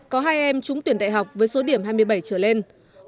có hai em trúng tuyển đại học với số điểm hai mươi bảy trở lên